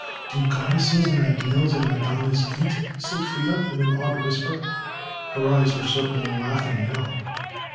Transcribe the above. "Do goddesses and ideals and Madonnas eat?" said Freda in an awed whisper. Her eyes were certainly laughing now.